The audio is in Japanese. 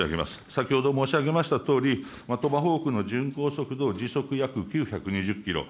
先ほど申し上げましたとおり、トマホークの巡航速度、時速約９２０キロ。